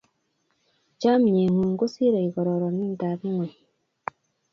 Chomye ng'ung' kosire kororindap ng'wony.